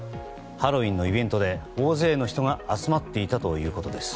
ハロウィーンのイベントで大勢の人が集まっていたということです。